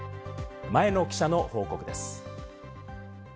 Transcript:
前野記者の報告です。